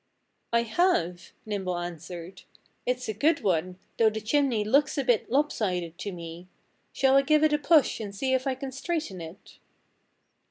"I have," Nimble answered. "It's a good one, though the chimney looks a bit lopsided, to me. Shall I give it a push and see if I can straighten it?"